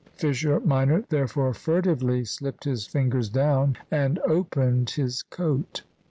Fisher minor therefore furtively slipped his fingers down and opened his coat.